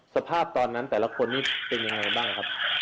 สภาพตอนนั้นแต่ละคนนี้เป็นยังไงบ้างครับ